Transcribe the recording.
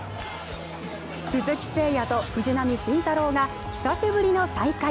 鈴木誠也と藤浪晋太郎が久しぶりの再会。